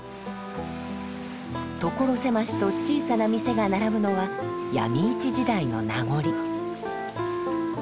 所狭しと小さな店が並ぶのは闇市時代の名残。